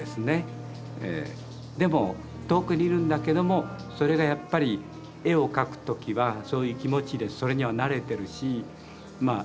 でも遠くにいるんだけどもそれがやっぱり絵を描く時はそういう気持ちでそれには慣れてるしまあ